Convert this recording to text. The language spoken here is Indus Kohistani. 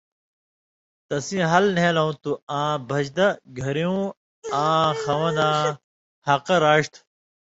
تسیں حل نھېلیۡ تُھو آں بھژدہ، گھریُوں آں خوَن٘داں حقہ راڇھیۡ تُھو،